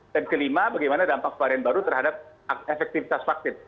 dan kelima bagaimana dampak varian baru terhadap efektifitas vaksin